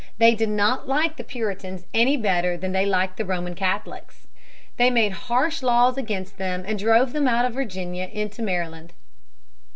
They did not like the Puritans any better than they liked the Roman Catholics. They made harsh laws against them and drove them out of Virginia into Maryland.